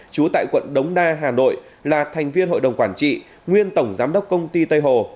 chú tại quận đống đa hà nội là thành viên hội đồng quản trị nguyên tổng giám đốc công ty tây hồ